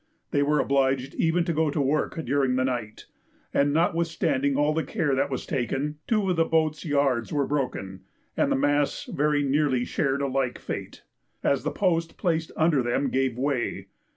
They were obliged even to go to work during the night, and notwithstanding all the care that was taken, two of the boats' yards were broken, and the masts very nearly shared a like fate, as the post placed under them gave way.